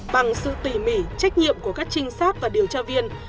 bằng sự tỉ mỉ trách nhiệm của các trinh sát và điều tra viên